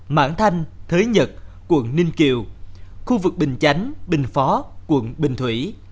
mãng thanh thới nhật quận ninh kiều khu vực bình chánh bình phó quận bình thủy